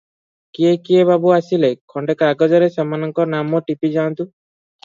କିଏ କିଏ ବାବୁ ଆସିଲେ, ଖଣ୍ଡେ କାଗଜରେ ସେମାନଙ୍କ ନାମ ଟିପିଯାଆନ୍ତୁ ।"